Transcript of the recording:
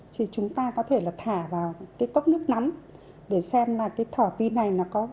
chỉ chúng ta có thể là thả vào cái cốc nước nấm để xem là cái thỏ tí này là có